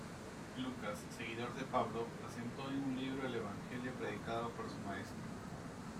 Lucas, seguidor de Pablo, asentó en un libro el evangelio predicado por su maestro.